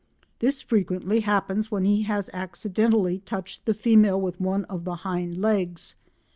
This frequently happens when he has accidentally touched the female with one of the hind legs.